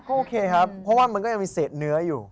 โอเคครับเพราะว่ามันก็ยังมีเศษเนื้ออยู่